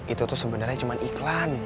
itu tuh sebenarnya cuma iklan